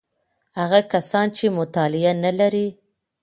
هغه کسان چې مطالعه نلري: